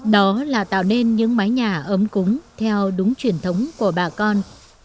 đó là tạo nên những mái nhà ấm cúng theo đúng truyền thống của bà con